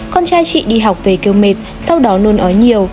con trai chị đi học về kêu mệt sau đó nôn ói nhiều